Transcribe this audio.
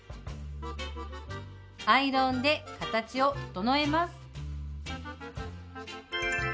アイロンで形を整えます。